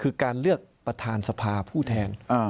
คือการเลือกประธานสภาผู้แทน